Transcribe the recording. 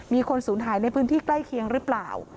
มีคนสูญหายในพื้นที่ใกล้เคียงหรือเปล่า